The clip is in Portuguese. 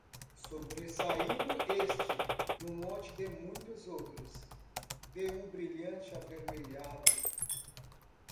sobressaindo este num monte de muitos outros, de um brilhante avermelhado